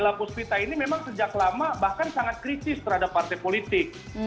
lapus pita ini memang sejak lama bahkan sangat kritis terhadap partai politik